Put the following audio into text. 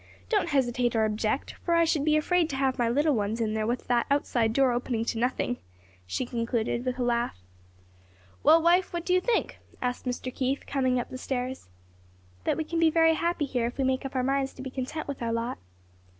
Don't hesitate or object, for I should be afraid to have my little ones in there with that outside door opening on to nothing," she concluded, with a laugh. "Well, wife, what do you think?" asked Mr. Keith, coming up the stairs. "That we can be very happy here if we make up our minds to be content with our lot."